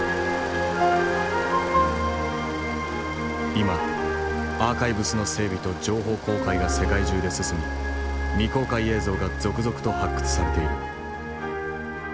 今アーカイブスの整備と情報公開が世界中で進み未公開映像が続々と発掘されている。